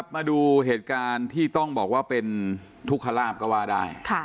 มาดูเหตุการณ์ที่ต้องบอกว่าเป็นทุกขลาบก็ว่าได้